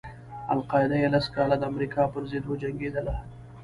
القاعده یې لس کاله د امریکا پر ضد وجنګېدله.